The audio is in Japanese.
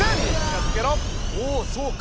おそうか。